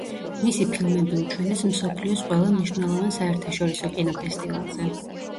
მისი ფილმები უჩვენეს მსოფლიოს ყველა მნიშვნელოვან საერთაშორისო კინოფესტივალზე.